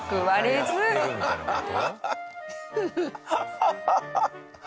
ハハハッ！